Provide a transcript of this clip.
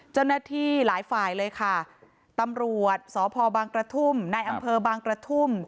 เจ้าหน้าที่หลายฝ่ายเลยค่ะตำรวจสพบางกระทุ่มในอำเภอบางกระทุ่ม